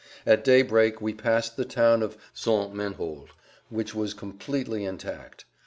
At day break we passed the town of St. Menehould which was completely intact.